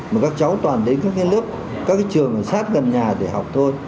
mà các cháu toàn đến các cái lớp các cái trường sát gần nhà để học thôi